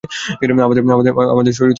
আমাদের শরীর তো আঁটবেই না!